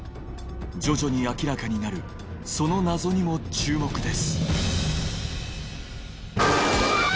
徐々に明らかになるその謎にも注目です